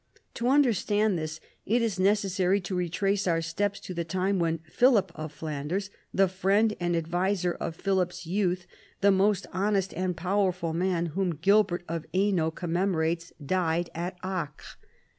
To understand this it is necessary to retrace our steps to the time when Philip of Flanders, the friend and adviser of Philip's youth, the "most honest and powerful " man whom Gilbert of Hainault commemorates, died at Acre.